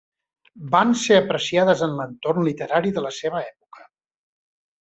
Van ser apreciades en l'entorn literari de la seva època.